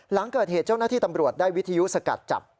หลังเกิดเหตุเจ้าหน้าที่ตำรวจได้วิทยุสกัดจับ